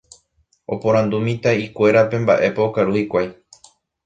Oporandu mitã'ikúerape mba'épa okaru hikuái.